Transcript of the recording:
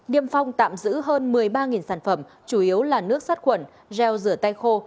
niêm phong tạm giữ hơn một mươi ba sản phẩm chủ yếu là nước sát khuẩn gel rửa tay khô